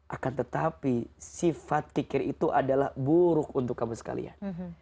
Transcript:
akan tetapi sifat tikir itu adalah buruk untuk kamu sekalian